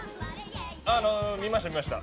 あの見ました、見ました。